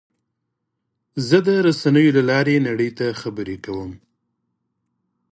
زه د رسنیو له لارې نړۍ ته خبرې کوم.